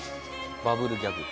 バブルギャグだ。